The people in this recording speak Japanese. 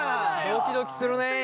ドキドキするね！